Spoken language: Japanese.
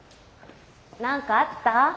何かあった？